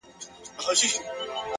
نظم د لاسته راوړنو لاره هواروي،